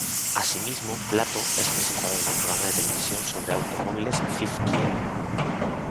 Asimismo, Plato es presentador del programa de televisión sobre automóviles Fifth Gear.